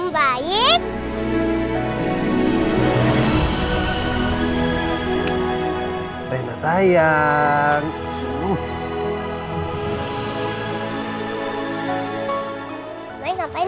baru ke kanan kanan kanan